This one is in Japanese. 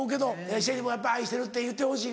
ＳＨＥＬＬＹもやっぱ「愛してる」って言ってほしい？